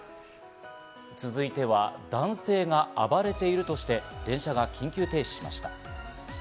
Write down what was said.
続いては男性が暴れているとして、電車が緊急停止しました。